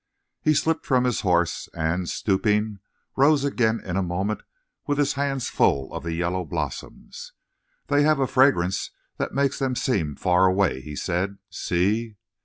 He slipped from his horse and, stooping, rose again in a moment with his hands full of the yellow blossoms. "They have a fragrance that makes them seem far away," he said. "See!"